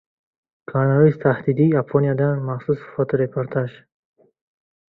«Koronavirus tahdidi». Yaponiyadan maxsus fotoreportaj